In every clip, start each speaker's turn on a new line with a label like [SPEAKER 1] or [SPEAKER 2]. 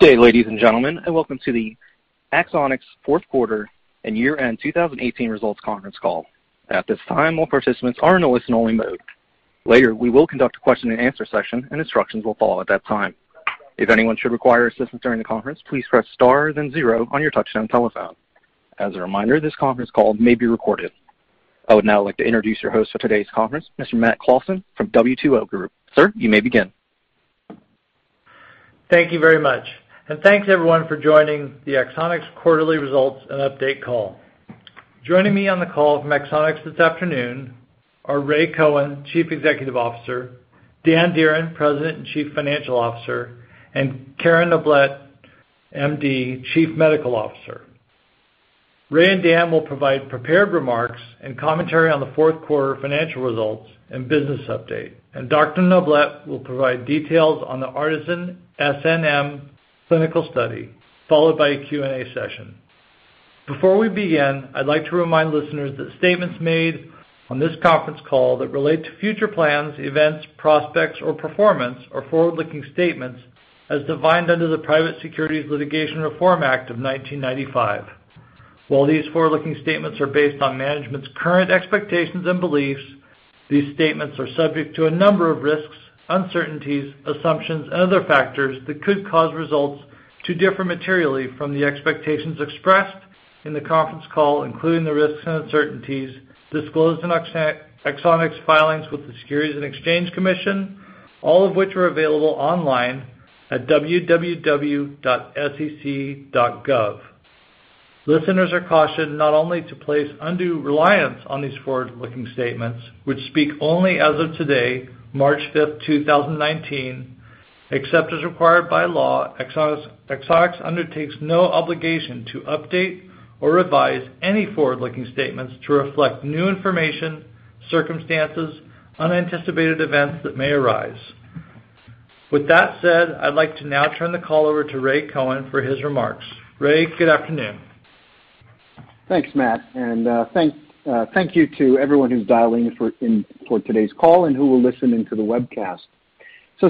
[SPEAKER 1] Good day, ladies and gentlemen, and welcome to the Axonics fourth quarter and year-end 2018 results conference call. At this time, all participants are in a listen-only mode. Later, we will conduct a question and answer session and instructions will follow at that time. If anyone should require assistance during the conference, please press star then zero on your touch-tone telephone. As a reminder, this conference call may be recorded. I would now like to introduce your host for today's conference, Mr. Matt Clawson from W2O Group. Sir, you may begin.
[SPEAKER 2] Thank you very much. Thanks everyone for joining the Axonics quarterly results and update call. Joining me on the call from Axonics this afternoon are Ray Cohen, Chief Executive Officer, Dan Dearen, President and Chief Financial Officer, and Karen Noblett, M.D., Chief Medical Officer. Ray and Dan will provide prepared remarks and commentary on the fourth quarter financial results and business update. Dr. Noblett will provide details on the ARTISAN-SNM clinical study, followed by a Q&A session. Before we begin, I'd like to remind listeners that statements made on this conference call that relate to future plans, events, prospects, or performance are forward-looking statements as defined under the Private Securities Litigation Reform Act of 1995. While these forward-looking statements are based on management's current expectations and beliefs, these statements are subject to a number of risks, uncertainties, assumptions, and other factors that could cause results to differ materially from the expectations expressed in the conference call, including the risks and uncertainties disclosed in Axonics' filings with the Securities and Exchange Commission, all of which are available online at www.sec.gov. Listeners are cautioned not only to place undue reliance on these forward-looking statements, which speak only as of today, March 5th, 2019. Except as required by law, Axonics undertakes no obligation to update or revise any forward-looking statements to reflect new information, circumstances, unanticipated events that may arise. With that said, I'd like to now turn the call over to Ray Cohen for his remarks. Ray, good afternoon.
[SPEAKER 3] Thanks, Matt. Thank you to everyone who's dialing in for today's call and who are listening to the webcast.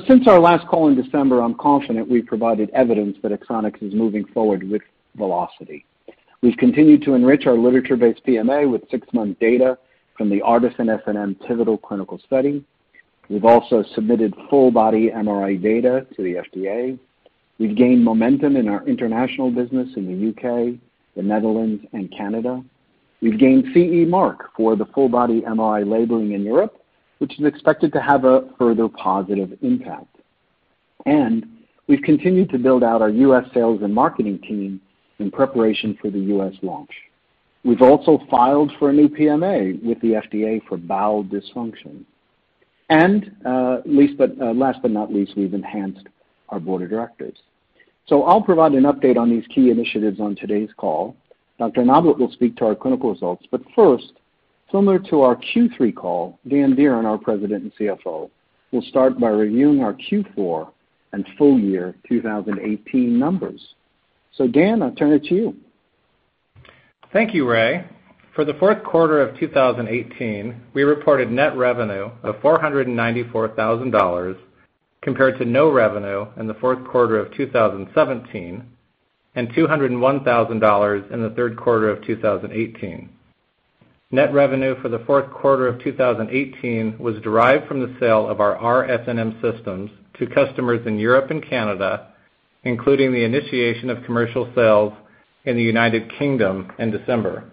[SPEAKER 3] Since our last call in December, I'm confident we've provided evidence that Axonics is moving forward with velocity. We've continued to enrich our literature-based PMA with six-month data from the ARTISAN-SNM pivotal clinical study. We've also submitted full body MRI data to the FDA. We've gained momentum in our international business in the U.K., the Netherlands, and Canada. We've gained CE mark for the full body MRI labeling in Europe, which is expected to have a further positive impact. We've continued to build out our U.S. sales and marketing team in preparation for the U.S. launch. We've also filed for a new PMA with the FDA for bowel dysfunction. Last but not least, we've enhanced our board of directors. I'll provide an update on these key initiatives on today's call. Dr. Noblett will speak to our clinical results. First, similar to our Q3 call, Dan Dearen, our President and CFO, will start by reviewing our Q4 and full year 2018 numbers. Dan, I'll turn it to you.
[SPEAKER 4] Thank you, Ray. For the fourth quarter of 2018, we reported net revenue of $494,000 compared to no revenue in the fourth quarter of 2017 and $201,000 in the third quarter of 2018. Net revenue for the fourth quarter of 2018 was derived from the sale of our r-SNM systems to customers in Europe and Canada, including the initiation of commercial sales in the U.K. in December.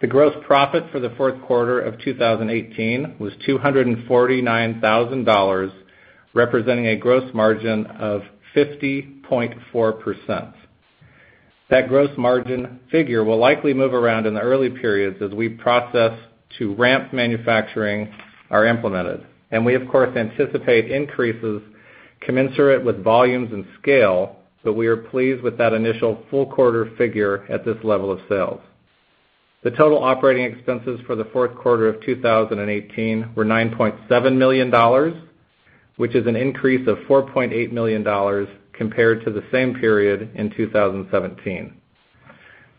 [SPEAKER 4] The gross profit for the fourth quarter of 2018 was $249,000, representing a gross margin of 50.4%. That gross margin figure will likely move around in the early periods as processes to ramp manufacturing are implemented, and we of course anticipate increases commensurate with volumes and scale, so we are pleased with that initial full quarter figure at this level of sales. The total operating expenses for the fourth quarter of 2018 were $9.7 million, which is an increase of $4.8 million compared to the same period in 2017.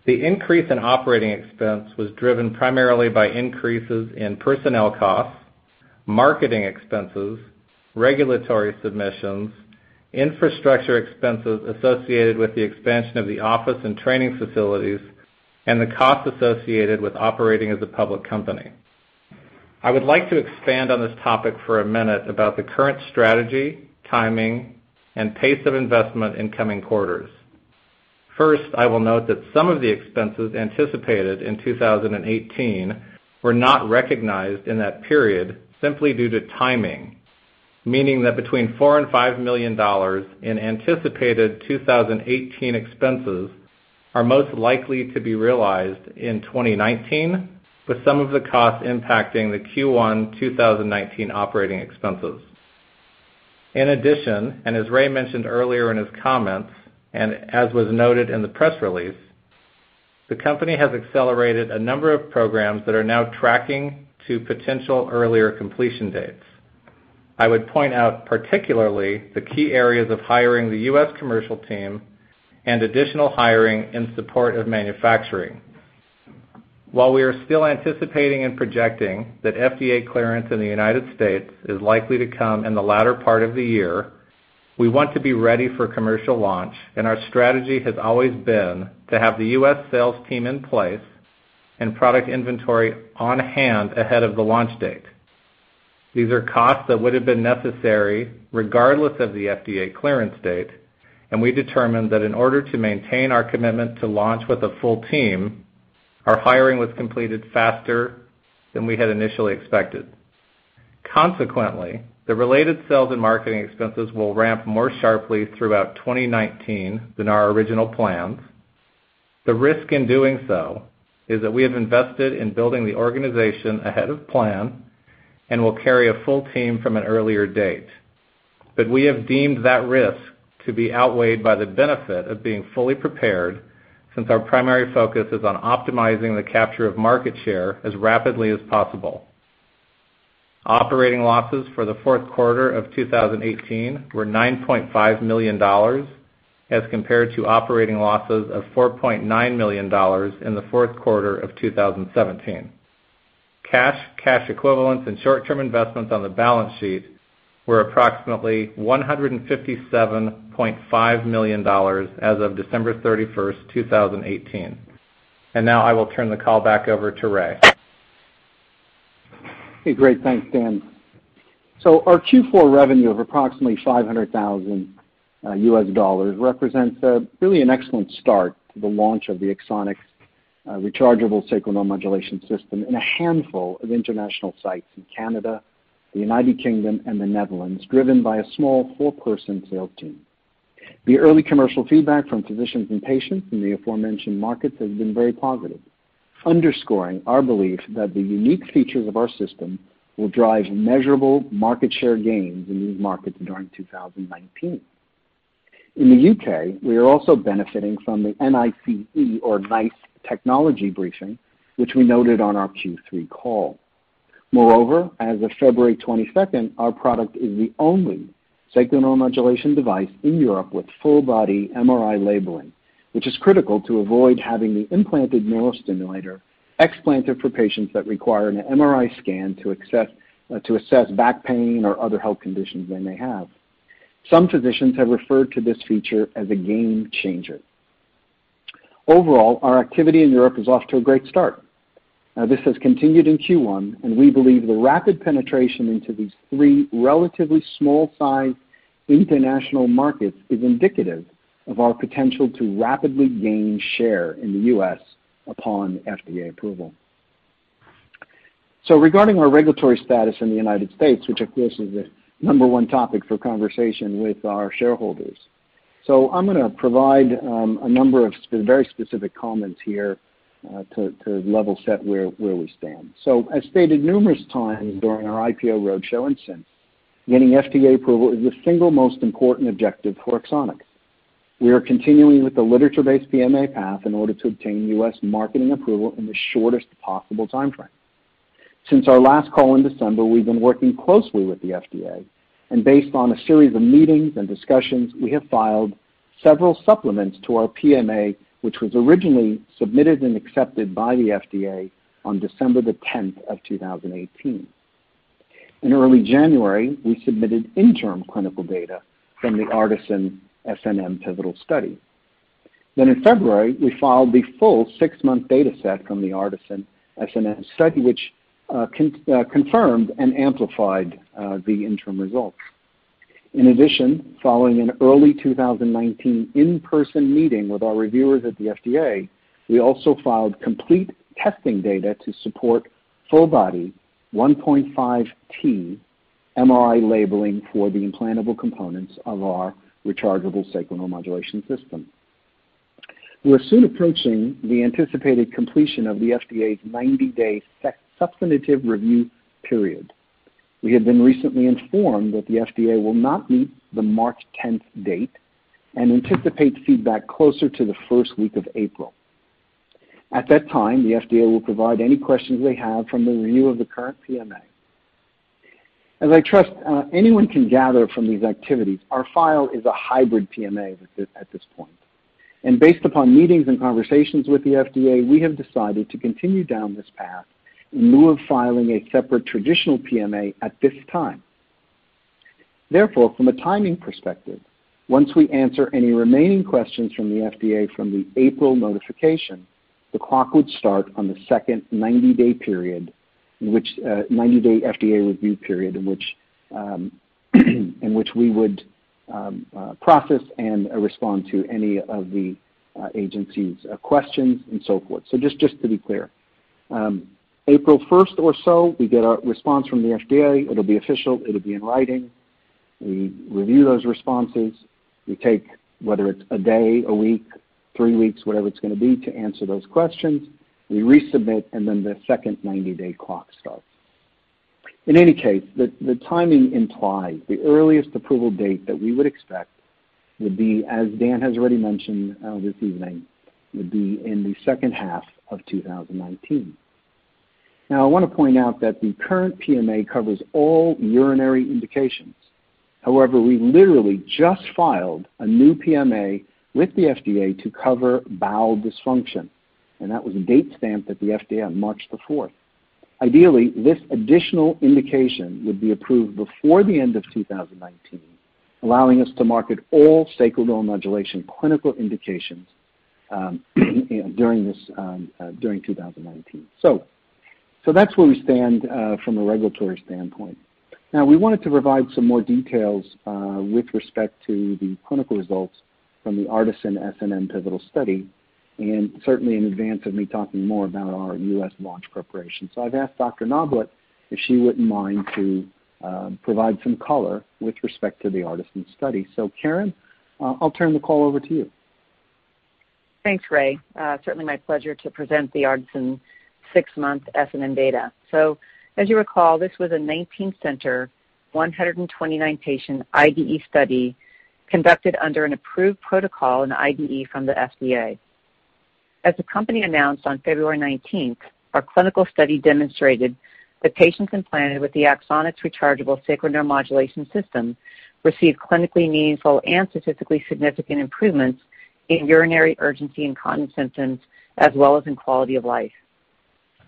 [SPEAKER 4] The increase in operating expense was driven primarily by increases in personnel costs, marketing expenses, regulatory submissions, infrastructure expenses associated with the expansion of the office and training facilities, and the cost associated with operating as a public company. I would like to expand on this topic for a minute about the current strategy, timing, and pace of investment in coming quarters. I will note that some of the expenses anticipated in 2018 were not recognized in that period simply due to timing, meaning that between $4 and $5 million in anticipated 2018 expenses are most likely to be realized in 2019, with some of the costs impacting the Q1 2019 operating expenses. In addition, as Ray mentioned earlier in his comments and as was noted in the press release, the company has accelerated a number of programs that are now tracking to potential earlier completion dates. I would point out particularly the key areas of hiring the U.S. commercial team and additional hiring in support of manufacturing. While we are still anticipating and projecting that FDA clearance in the U.S. is likely to come in the latter part of the year, we want to be ready for commercial launch, and our strategy has always been to have the U.S. sales team in place and product inventory on hand ahead of the launch date. These are costs that would have been necessary regardless of the FDA clearance date. We determined that in order to maintain our commitment to launch with a full team, our hiring was completed faster than we had initially expected. Consequently, the related sales and marketing expenses will ramp more sharply throughout 2019 than our original plans. The risk in doing so is that we have invested in building the organization ahead of plan and will carry a full team from an earlier date. We have deemed that risk to be outweighed by the benefit of being fully prepared, since our primary focus is on optimizing the capture of market share as rapidly as possible. Operating losses for the fourth quarter of 2018 were $9.5 million, as compared to operating losses of $4.9 million in the fourth quarter of 2017. Cash, cash equivalents, and short-term investments on the balance sheet were approximately $157.5 million as of December 31st, 2018. Now I will turn the call back over to Ray.
[SPEAKER 3] Hey, great. Thanks, Dan. Our Q4 revenue of approximately $500,000 represents really an excellent start to the launch of the Axonics Rechargeable Sacral Neuromodulation System in a handful of international sites in Canada, the U.K., and the Netherlands, driven by a small four-person sales team. The early commercial feedback from physicians and patients in the aforementioned markets has been very positive, underscoring our belief that the unique features of our system will drive measurable market share gains in these markets during 2019. In the U.K., we are also benefiting from the N-I-C-E or NICE technology briefing, which we noted on our Q3 call. Moreover, as of February 22nd, our product is the only sacral neuromodulation device in Europe with full-body MRI labeling, which is critical to avoid having the implanted neurostimulator explanted for patients that require an MRI scan to assess back pain or other health conditions they may have. Some physicians have referred to this feature as a game changer. Overall, our activity in Europe is off to a great start. Now, this has continued in Q1, and we believe the rapid penetration into these three relatively small-sized international markets is indicative of our potential to rapidly gain share in the U.S. upon FDA approval. Regarding our regulatory status in the United States, which of course is the number one topic for conversation with our shareholders. I'm going to provide a number of very specific comments here to level set where we stand. As stated numerous times during our IPO roadshow and since, getting FDA approval is the single most important objective for Axonics. We are continuing with the literature-based PMA path in order to obtain U.S. marketing approval in the shortest possible timeframe. Since our last call in December, we've been working closely with the FDA, and based on a series of meetings and discussions, we have filed several supplements to our PMA, which was originally submitted and accepted by the FDA on December 10, 2018. In early January, we submitted interim clinical data from the ARTISAN-SNM pivotal study. In February, we filed the full six-month data set from the ARTISAN-SNM study, which confirmed and amplified the interim results. In addition, following an early 2019 in-person meeting with our reviewers at the FDA, we also filed complete testing data to support full body 1.5T MRI labeling for the implantable components of our rechargeable sacral neuromodulation system. We are soon approaching the anticipated completion of the FDA's 90-day substantive review period. We have been recently informed that the FDA will not meet the March 10 date and anticipate feedback closer to the first week of April. At that time, the FDA will provide any questions they have from the review of the current PMA. As I trust anyone can gather from these activities, our file is a hybrid PMA at this point. Based upon meetings and conversations with the FDA, we have decided to continue down this path in lieu of filing a separate traditional PMA at this time. Therefore, from a timing perspective, once we answer any remaining questions from the FDA from the April notification, the clock would start on the second 90-day FDA review period in which we would process and respond to any of the agency's questions and so forth. Just to be clear. April 1 or so, we get a response from the FDA. It'll be official. It'll be in writing. We review those responses. We take, whether it's a day, a week, three weeks, whatever it's going to be, to answer those questions. We resubmit, the second 90-day clock starts. In any case, the timing implies the earliest approval date that we would expect would be, as Dan has already mentioned this evening, would be in the second half of 2019. I want to point out that the current PMA covers all urinary indications. However, we literally just filed a new PMA with the FDA to cover bowel dysfunction, and that was a date stamp at the FDA on March 4. Ideally, this additional indication would be approved before the end of 2019, allowing us to market all sacral neuromodulation clinical indications during 2019. That's where we stand from a regulatory standpoint. We wanted to provide some more details with respect to the clinical results from the ARTISAN-SNM pivotal study, and certainly in advance of me talking more about our U.S. launch preparation. I've asked Dr. Noblett if she wouldn't mind to provide some color with respect to the ARTISAN study. Karen, I'll turn the call over to you.
[SPEAKER 5] Thanks, Ray. Certainly my pleasure to present the ARTISAN six-month SNM data. As you recall, this was a 19-center, 129-patient IDE study conducted under an approved protocol and IDE from the FDA. As the company announced on February 19th, our clinical study demonstrated that patients implanted with the Axonics rechargeable Sacral Neuromodulation System received clinically meaningful and statistically significant improvements in urinary urgency and continence symptoms, as well as in quality of life.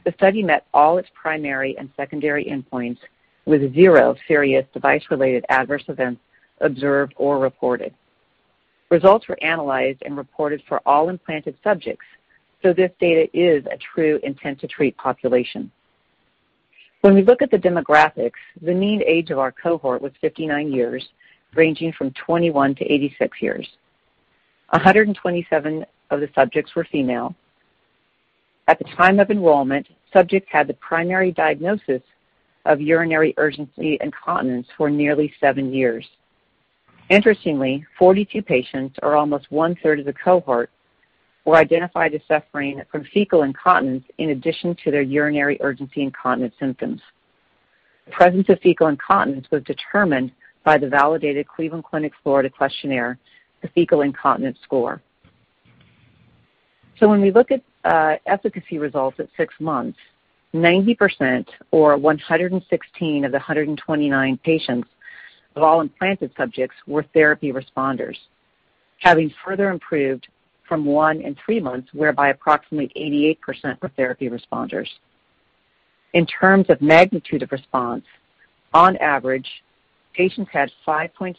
[SPEAKER 5] The study met all its primary and secondary endpoints, with zero serious device-related adverse events observed or reported. Results were analyzed and reported for all implanted subjects, this data is a true intent-to-treat population. When we look at the demographics, the mean age of our cohort was 59 years, ranging from 21 to 86 years. 127 of the subjects were female. At the time of enrollment, subjects had the primary diagnosis of urinary urgency incontinence for nearly 7 years. Interestingly, 42 patients, or almost one-third of the cohort, were identified as suffering from fecal incontinence in addition to their urinary urgency incontinence symptoms. Presence of fecal incontinence was determined by the validated Cleveland Clinic Florida questionnaire, the Fecal Incontinence Score. When we look at efficacy results at six months, 90%, or 116 of the 129 patients of all implanted subjects were therapy responders, having further improved from one in three months, whereby approximately 88% were therapy responders. In terms of magnitude of response, on average, patients had 5.6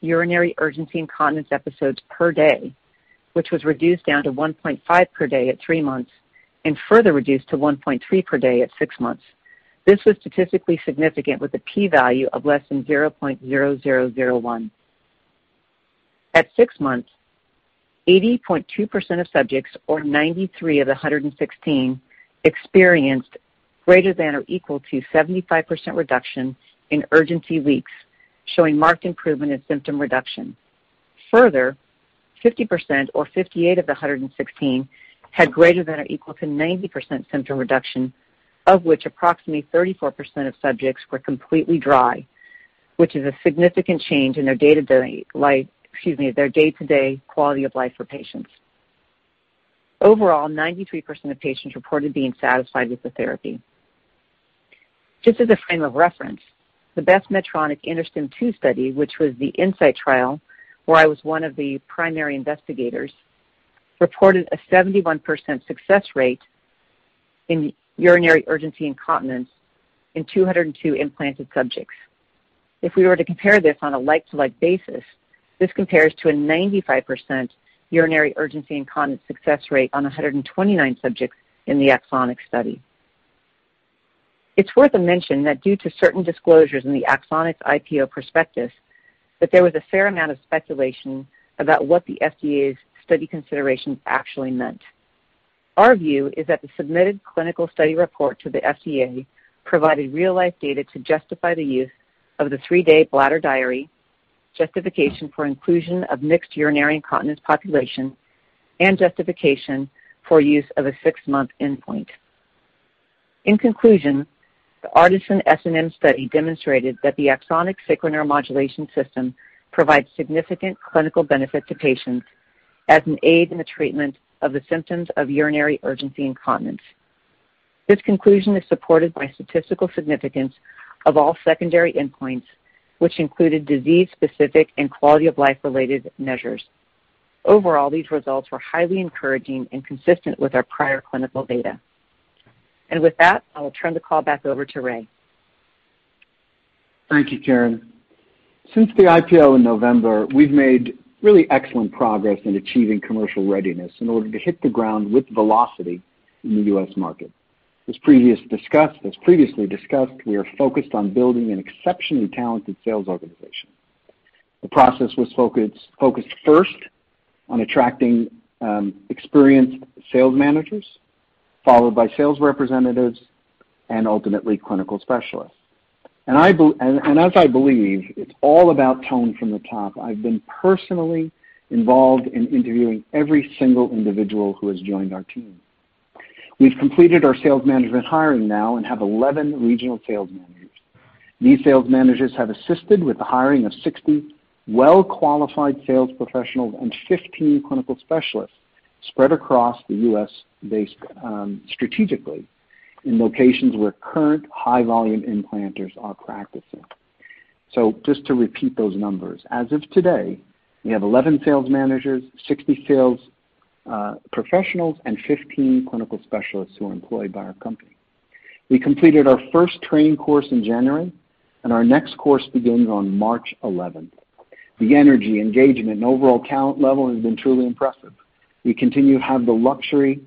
[SPEAKER 5] urinary urgency incontinence episodes per day, which was reduced down to 1.5 per day at three months and further reduced to 1.3 per day at six months. This was statistically significant with a p-value of less than 0.0001. At six months, 80.2% of subjects, or 93 of the 116, experienced greater than or equal to 75% reduction in urgency leaks, showing marked improvement in symptom reduction. Further, 50%, or 58 of the 116, had greater than or equal to 90% symptom reduction, of which approximately 34% of subjects were completely dry, which is a significant change in their day-to-day quality of life for patients. Overall, 93% of patients reported being satisfied with the therapy. Just as a frame of reference, the best Medtronic InterStim II study, which was the InSite trial, where I was one of the primary investigators, reported a 71% success rate in urinary urgency incontinence in 202 implanted subjects. If we were to compare this on a like-to-like basis, this compares to a 95% urinary urgency incontinence success rate on 129 subjects in the Axonics study. It's worth a mention that due to certain disclosures in the Axonics IPO prospectus, that there was a fair amount of speculation about what the FDA's study considerations actually meant. Our view is that the submitted clinical study report to the FDA provided real-life data to justify the use of the three-day bladder diary, justification for inclusion of mixed urinary incontinence population, and justification for use of a six-month endpoint. In conclusion, the ARTISAN-SNM study demonstrated that the Axonics Sacral Neuromodulation System provides significant clinical benefit to patients as an aid in the treatment of the symptoms of urinary urgency incontinence. This conclusion is supported by statistical significance of all secondary endpoints, which included disease-specific and quality of life-related measures. Overall, these results were highly encouraging and consistent with our prior clinical data. With that, I will turn the call back over to Ray.
[SPEAKER 3] Thank you, Karen. Since the IPO in November, we've made really excellent progress in achieving commercial readiness in order to hit the ground with velocity in the U.S. market. As previously discussed, we are focused on building an exceptionally talented sales organization. The process was focused first on attracting experienced sales managers, followed by sales representatives and ultimately clinical specialists. As I believe, it's all about tone from the top. I've been personally involved in interviewing every single individual who has joined our team. We've completed our sales management hiring now and have 11 regional sales managers. These sales managers have assisted with the hiring of 60 well-qualified sales professionals and 15 clinical specialists spread across the U.S. base strategically in locations where current high-volume implanters are practicing. Just to repeat those numbers, as of today, we have 11 sales managers, 60 sales professionals, and 15 clinical specialists who are employed by our company. We completed our first training course in January, and our next course begins on March 11th. The energy, engagement, and overall count level has been truly impressive. We continue to have the luxury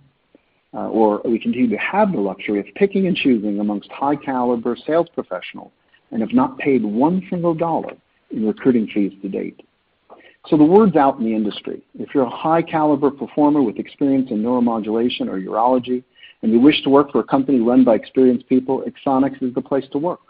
[SPEAKER 3] of picking and choosing amongst high-caliber sales professionals and have not paid $1 in recruiting fees to date. The word's out in the industry. If you're a high-caliber performer with experience in neuromodulation or urology, and you wish to work for a company run by experienced people, Axonics is the place to work.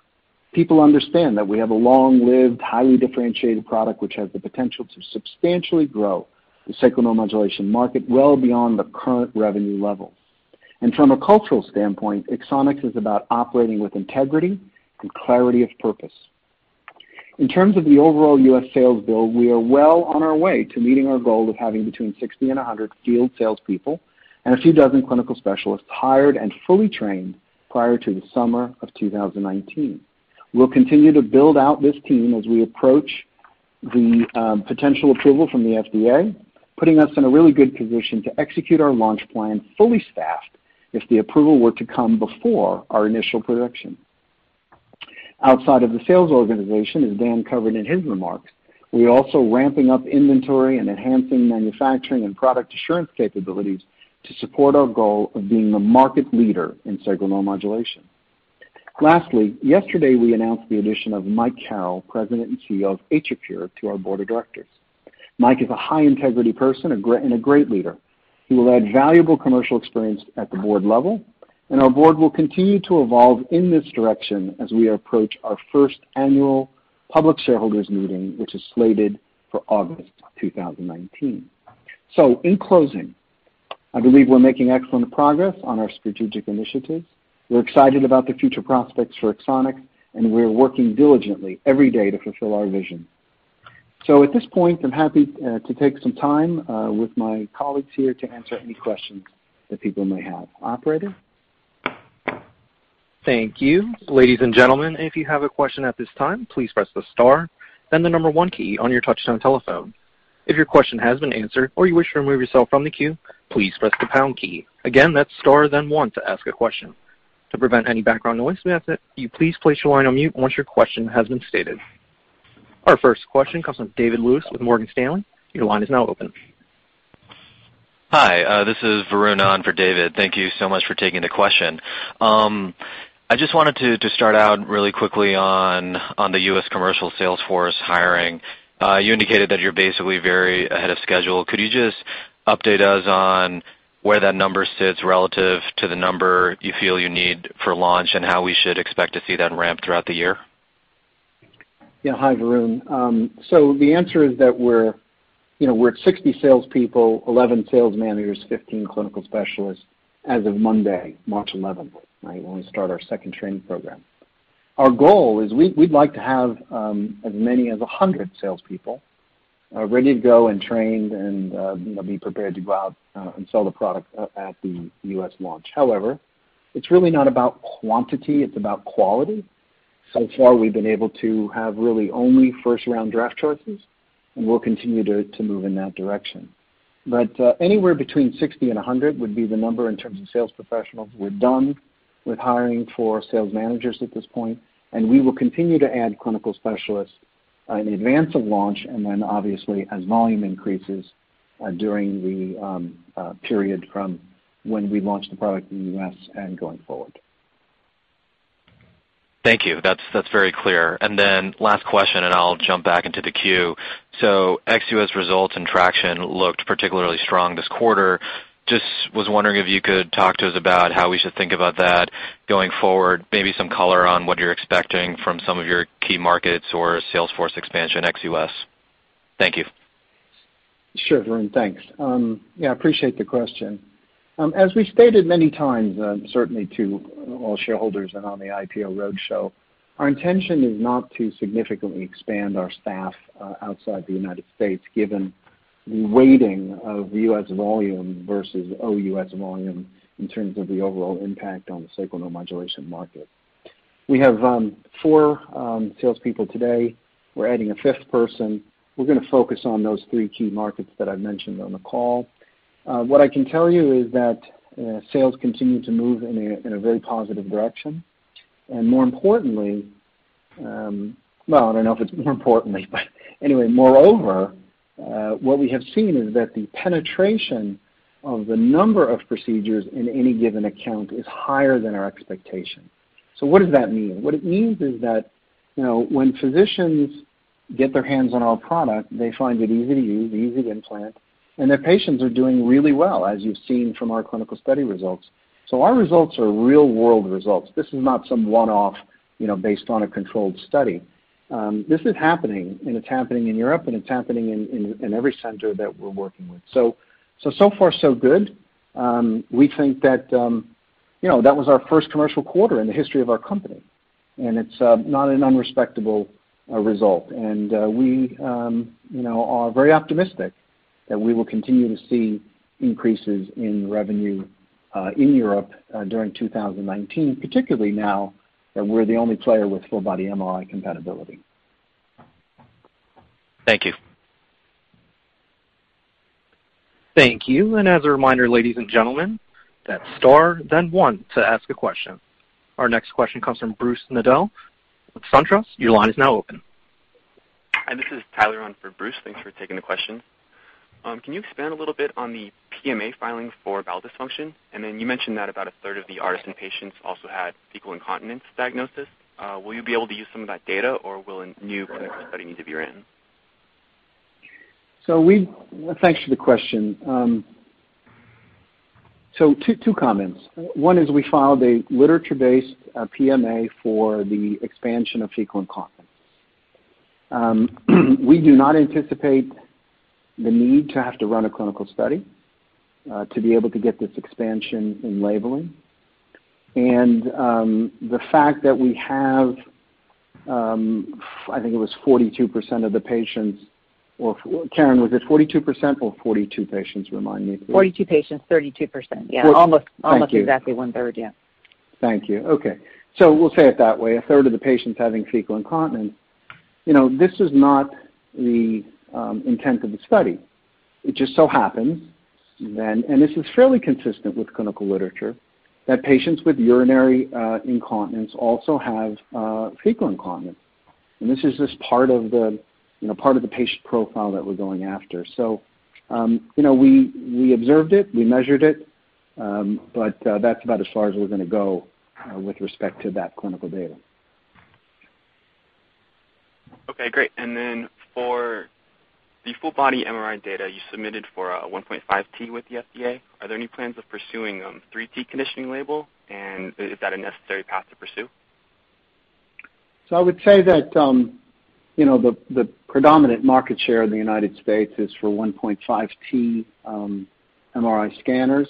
[SPEAKER 3] People understand that we have a long-lived, highly differentiated product which has the potential to substantially grow the sacral neuromodulation market well beyond the current revenue levels. From a cultural standpoint, Axonics is about operating with integrity and clarity of purpose. In terms of the overall U.S. sales build, we are well on our way to meeting our goal of having between 60 and 100 field salespeople and a few dozen clinical specialists hired and fully trained prior to the summer of 2019. We'll continue to build out this team as we approach the potential approval from the FDA, putting us in a really good position to execute our launch plan fully staffed if the approval were to come before our initial prediction. Outside of the sales organization, as Dan covered in his remarks, we're also ramping up inventory and enhancing manufacturing and product assurance capabilities to support our goal of being the market leader in sacral neuromodulation. Lastly, yesterday we announced the addition of Mike Carroll, President and CEO of AtriCure, to our board of directors. Mike is a high-integrity person and a great leader. He will add valuable commercial experience at the board level, and our board will continue to evolve in this direction as we approach our first annual public shareholders meeting, which is slated for August 2019. In closing, I believe we're making excellent progress on our strategic initiatives. We're excited about the future prospects for Axonics, and we're working diligently every day to fulfill our vision. At this point, I'm happy to take some time with my colleagues here to answer any questions that people may have. Operator?
[SPEAKER 1] Thank you. Ladies and gentlemen, if you have a question at this time, please press the star then the number 1 key on your touchtone telephone. If your question has been answered or you wish to remove yourself from the queue, please press the pound key. Again, that's star then 1 to ask a question. To prevent any background noise, we ask that you please place your line on mute once your question has been stated. Our first question comes from David Lewis with Morgan Stanley. Your line is now open.
[SPEAKER 6] Hi. This is Varun on for David. Thank you so much for taking the question. I just wanted to start out really quickly on the U.S. commercial sales force hiring. You indicated that you're basically very ahead of schedule. Could you just update us on where that number sits relative to the number you feel you need for launch, and how we should expect to see that ramp throughout the year?
[SPEAKER 3] Hi, Varun. The answer is that we're at 60 salespeople, 11 sales managers, 15 clinical specialists as of Monday, March 11th, right, when we start our second training program. Our goal is we'd like to have as many as 100 salespeople ready to go and trained and be prepared to go out and sell the product at the U.S. launch. However, it's really not about quantity. It's about quality. So far, we've been able to have really only first-round draft choices, and we'll continue to move in that direction. Anywhere between 60 and 100 would be the number in terms of sales professionals. We're done with hiring for sales managers at this point, and we will continue to add clinical specialists in advance of launch and then obviously as volume increases during the period from when we launch the product in the U.S. and going forward.
[SPEAKER 6] Thank you. That's very clear. Last question, and I'll jump back into the queue. Ex-U.S. results and traction looked particularly strong this quarter. Just was wondering if you could talk to us about how we should think about that going forward. Maybe some color on what you're expecting from some of your key markets or sales force expansion ex-U.S. Thank you.
[SPEAKER 3] Sure, Varun. Thanks. Yeah, appreciate the question. As we stated many times, certainly to all shareholders and on the IPO roadshow, our intention is not to significantly expand our staff outside the United States given the weighting of U.S. volume versus OUS volume in terms of the overall impact on the sacral neuromodulation market. We have four salespeople today. We're adding a fifth person. We're going to focus on those three key markets that I mentioned on the call. What I can tell you is that sales continue to move in a very positive direction. More importantly, well, I don't know if it's more importantly but anyway, moreover, what we have seen is that the penetration of the number of procedures in any given account is higher than our expectation. What does that mean? What it means is that when physicians get their hands on our product, they find it easy to use, easy to implant, and their patients are doing really well, as you've seen from our clinical study results. Our results are real-world results. This is not some one-off based on a controlled study. This is happening, and it's happening in Europe, and it's happening in every center that we're working with. So far so good. We think that was our first commercial quarter in the history of our company, and it's not an unrespectable result. We are very optimistic that we will continue to see increases in revenue in Europe during 2019, particularly now that we're the only player with full body MRI compatibility.
[SPEAKER 7] Thank you.
[SPEAKER 1] Thank you. As a reminder, ladies and gentlemen, that's star then one to ask a question. Our next question comes from Brent Naedele with SunTrust. Your line is now open.
[SPEAKER 7] Hi, this is Tyler on for Brent. Thanks for taking the question. Can you expand a little bit on the PMA filing for bowel dysfunction? You mentioned that about a third of the ARTISAN patients also had fecal incontinence diagnosis. Will you be able to use some of that data, or will a new clinical study need to be ran?
[SPEAKER 3] Thanks for the question. Two comments. One is we filed a literature-based PMA for the expansion of fecal incontinence. We do not anticipate the need to have to run a clinical study to be able to get this expansion in labeling. The fact that we have, I think it was 42% of the patients or Karen, was it 42% or 42 patients, remind me please?
[SPEAKER 5] 42 patients, 32%. Yeah.
[SPEAKER 3] Thank you.
[SPEAKER 5] Almost exactly one-third, yeah.
[SPEAKER 3] Thank you. Okay. We'll say it that way, a third of the patients having fecal incontinence. This is not the intent of the study. This is fairly consistent with clinical literature, that patients with urinary incontinence also have fecal incontinence, and this is just part of the patient profile that we're going after. We observed it, we measured it, but that's about as far as we're going to go with respect to that clinical data.
[SPEAKER 7] Okay, great. Then for the full body MRI data you submitted for a 1.5T with the FDA, are there any plans of pursuing 3T conditioning label? Is that a necessary path to pursue?
[SPEAKER 3] I would say that the predominant market share in the U.S. is for 1.5T MRI scanners.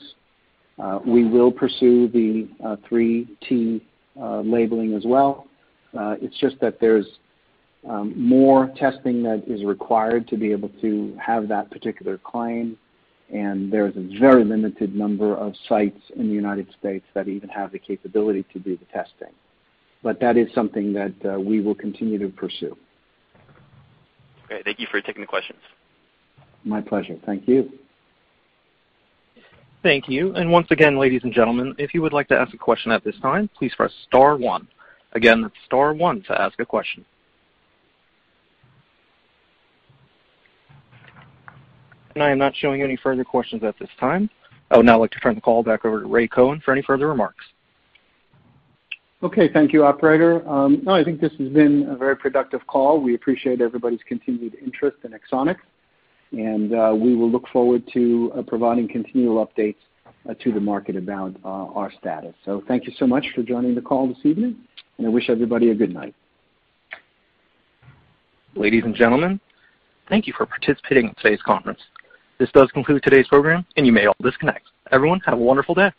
[SPEAKER 3] We will pursue the 3T labeling as well. It's just that there's more testing that is required to be able to have that particular claim, and there's a very limited number of sites in the U.S. that even have the capability to do the testing. That is something that we will continue to pursue.
[SPEAKER 7] Okay, thank you for taking the questions.
[SPEAKER 3] My pleasure. Thank you.
[SPEAKER 1] Thank you. Once again, ladies and gentlemen, if you would like to ask a question at this time, please press star one. Again, that's star one to ask a question. I am not showing any further questions at this time. I would now like to turn the call back over to Ray Cohen for any further remarks.
[SPEAKER 3] Okay. Thank you, operator. No, I think this has been a very productive call. We appreciate everybody's continued interest in Axonics, and we will look forward to providing continual updates to the market about our status. Thank you so much for joining the call this evening, and I wish everybody a good night.
[SPEAKER 1] Ladies and gentlemen, thank you for participating in today's conference. This does conclude today's program, and you may all disconnect. Everyone, have a wonderful day.